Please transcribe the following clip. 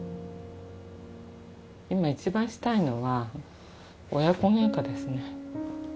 今一番したいのは親子げんかですね。